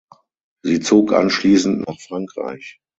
Sie zog anschließend nach Frankreich.